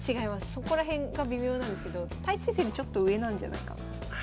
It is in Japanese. そこら辺が微妙なんですけど太地先生よりちょっと上なんじゃないかな。